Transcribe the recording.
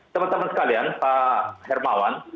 teman teman sekalian pak hermawan